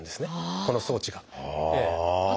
この装置が。はあ！